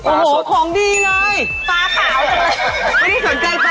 ป๊าขาวเลยไม่ได้สนใจป๊าเลย